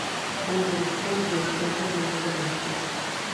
بۇ بىر خىل دوستانە بولمىغان ھەرىكەت.